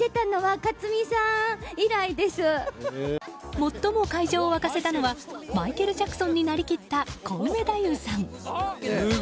最も会場を沸かせたのはマイケル・ジャクソンになりきった、コウメ太夫さん。